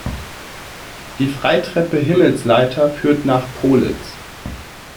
Die Freitreppe Himmelsleiter führt nach Pohlitz.